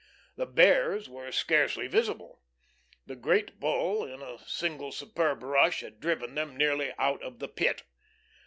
The Bears were scarcely visible. The Great Bull in a single superb rush had driven them nearly out of the Pit.